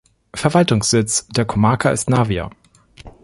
Verwaltungssitz der Comarca ist Navia.